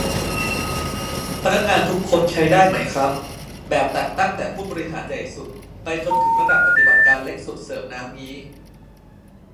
พนักงานทุกคนใช้ได้ไหมครับ แบบตั้งแต่ผู้บริหารใหญ่สุด ไปจนถึงระดับปฏิบัติการเล็กสุด เสิร์ฟน้ำงี้